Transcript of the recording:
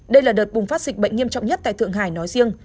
đây là đợt bùng phát dịch bệnh nghiêm trọng nhất tại thượng hải nói riêng